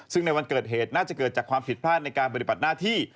ซึ่งในวันเกิดเหตุน่าจะเกิดจากความผิดพลาดในการปฏิบัติหน้าที่